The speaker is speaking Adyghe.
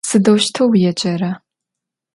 Sıdeuşteu vuêcera?